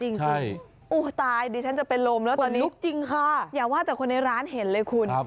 จริงอุ๊ยตายดีฉันจะเป็นลมแล้วตอนนี้อย่าว่าแต่คนในร้านเห็นเลยคุณ